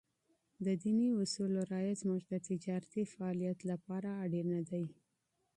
د ديني اصولو رعایت زموږ د تجارتي فعالیت لپاره ضروري دی.